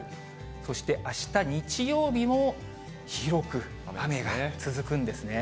そして、あした日曜日も広く雨が続くんですね。